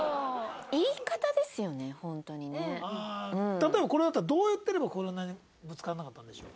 例えばこれだったらどう言ってればこんなにぶつからなかったんでしょう？